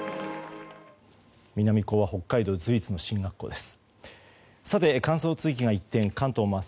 南高は北海道随一の進学校です。